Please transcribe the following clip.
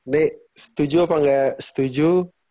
nek setuju apa gak setuju